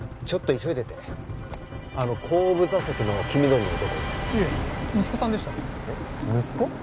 ちょっと急いでてあの後部座席の黄緑の男いえ息子さんでした息子？